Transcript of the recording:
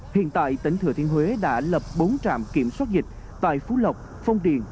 hiện tại tỉnh thừa thiên huế đã lập bốn trạm kiểm soát dịch tại phú lộc phong điền